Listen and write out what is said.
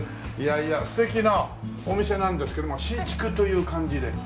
いやいや素敵なお店なんですけれども新築という感じで？